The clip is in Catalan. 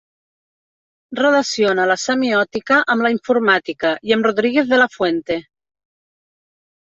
Relaciona la Semiòtica amb la Informàtica i amb Rodríguez de la Fuente.